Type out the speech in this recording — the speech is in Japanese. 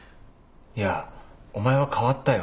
いやお前は変わったよ。